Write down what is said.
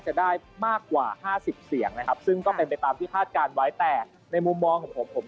เพราะว่าตอนแรกเนี่ยคาดการณ์ก็น่าจะเกินกว่า๕๑นะครับ